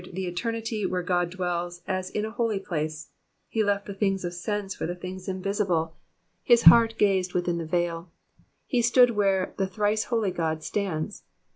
e eternity where God dwells as in a holy place, he left the things of sense for the things invisible, his heart gazed within the veil, he stood where the thrice holy God stands.